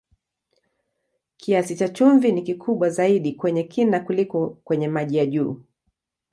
Kiasi cha chumvi ni kikubwa zaidi kwenye kina kuliko kwenye maji ya juu.